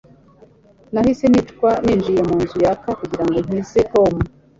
Nahise nicwa ninjiye munzu yaka kugirango nkize Tom